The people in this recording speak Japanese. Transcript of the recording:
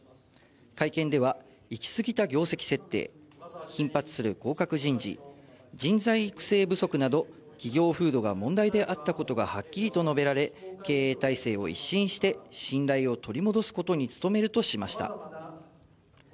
会見では、行き過ぎた業績設定、頻発する降格人事、人材育成不足など企業風土が問題であったことがはっきりと述べられ、経営体制を一新して信頼を取り戻すことに努めるとしました。